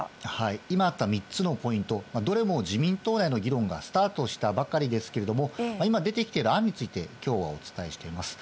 今あった３つのポイント、どれも自民党内の議論がスタートしたばかりですけれども、今出てきている案について、きょうはお伝えしています。